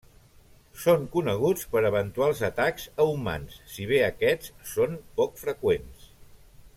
Són coneguts per eventuals atacs a humans, si bé aquests són poc freqüents.